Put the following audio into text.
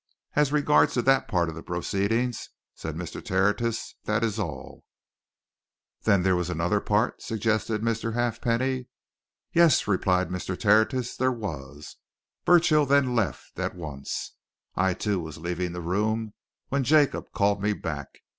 As regards that part of the proceedings," said Mr. Tertius, "that is all." "There was, then, another part?" suggested Mr. Halfpenny. "Yes," replied Mr. Tertius. "There was. Burchill then left at once. I, too, was leaving the room when Jacob called me back.